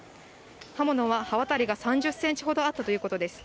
刃物は刃渡りが３０センチほどあったということです。